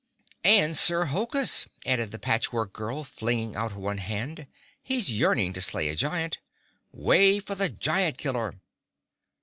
"And Sir Hokus," added the Patch Work Girl, flinging out one hand. "He's yearning to slay a giant. 'Way for the Giant Killer!"